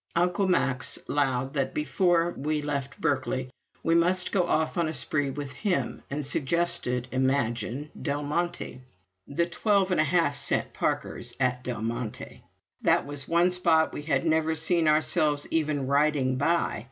"Uncle Max" 'lowed that before we left Berkeley we must go off on a spree with him, and suggested imagine! Del Monte! The twelve and a half cent Parkers at Del Monte! That was one spot we had never seen ourselves even riding by.